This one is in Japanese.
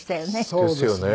そうですね。